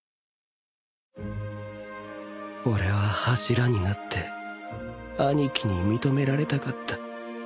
俺は柱になって兄貴に認められたかった